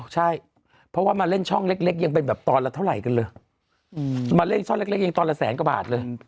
อ้อใช่พวกเขามาเล่นช่องเล็กยังเป็นแบบตอนนี้เข้าไหร่กันเลยมาเล่นช่องเล็กตอนนี้ก็๑๐๐๐๐๐กว่าบาทเลย